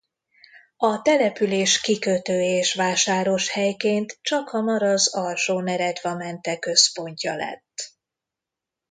A település kikötő- és vásáros helyként csakhamar az Alsó-Neretvamente központja lett.